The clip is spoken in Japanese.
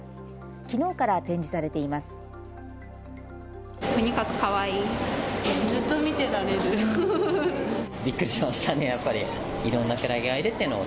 きのうから展示されています。